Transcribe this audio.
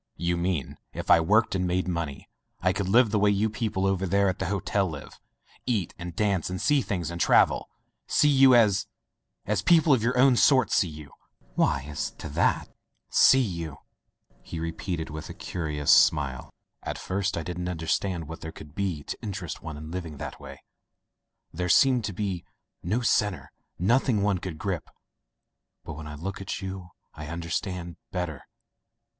"You mean if I worked and made money, I could live the way you people over there at the hotel live ; eat and dance and see things and travel — see you as — as people of yourown sort see you?" "Why, as to that " "See you —" he repeated with a curious [ 301 ] Digitized by LjOOQ IC Interventions smile. "At first I didn't understand what there could be to interest one in living that way — there seemed to be no centre, nothing one could grip. But when I look at you I understand better.